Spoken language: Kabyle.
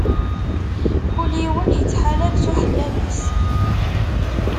Kul yiwen ittḥalab s uḥellab-is.